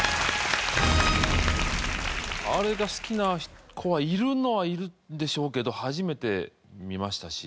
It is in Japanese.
あれが好きな子はいるのはいるでしょうけど初めて見ましたし。